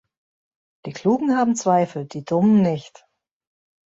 Die Klugen haben Zweifel, die Dummen nicht.